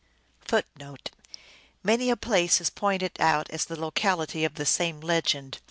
l 1 Many a place is pointed out as the locality of the same legend.